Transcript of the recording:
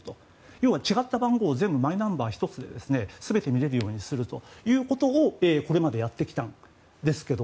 要は違った番号をマイナンバー１つで全て見れるようにするということをこれまでやってきたんですけど